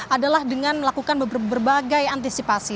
adalah dengan melakukan berbagai antisipasi